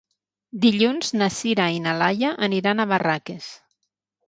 Dilluns na Sira i na Laia aniran a Barraques.